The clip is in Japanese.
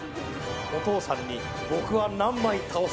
お父さんに、僕は何枚倒す。